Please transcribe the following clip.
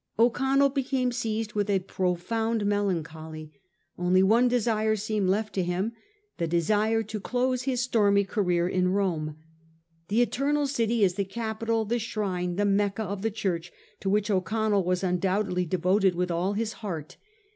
O'Connell became seized with a profound melan choly. Only one desire seemed left to him, the desire to close his stormy career in Rome. The Eternal City is the capital, the shrine, the Mecca of the Church to which O'Connell was undoubtedly de voted with all his heart.